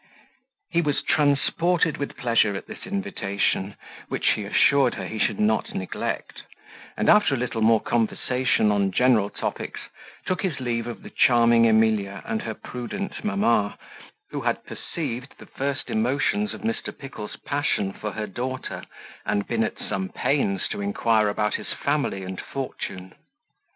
He was transported with pleasure at this invitation, which he assured her he should not neglect; and after a little more conversation on general topics, took his leave of the charming Emilia and her prudent mamma, who had perceived the first emotions of Mr. Pickle's passion for her daughter, and been at some pains to inquire about his family and fortune.